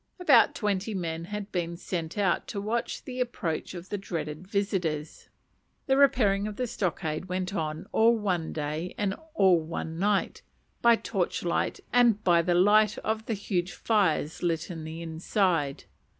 About twenty men had been sent out to watch the approach of the dreaded visitors. The repairing of the stockade went on all one day and all one night, by torchlight and by the light of huge fires lit in the inside.